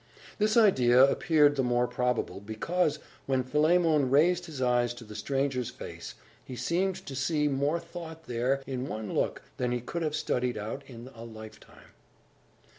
This idea appeared the more probable, because, when Philemon raised his eyes to the stranger's face, he seemed to see more thought there, in one look, than he could have studied out in a lifetime.